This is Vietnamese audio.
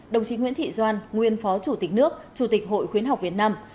đồng chí nguyễn thị doan nguyên phó chủ tịch nước chủ tịch hội khuyến học việt nam